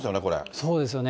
そうですよね。